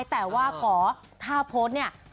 แต่ว่าเพราะถ้าเพราะนี่